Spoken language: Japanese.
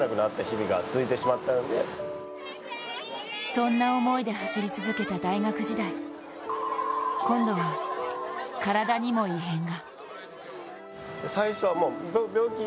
そんな思いで走り続けた大学時代今度は、体にも異変が。